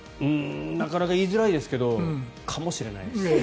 なかなか言いづらいですけどかもしれないです。